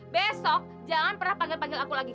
besok jangan pernah panggil panggil aku lagi